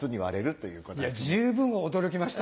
いや十分驚きました。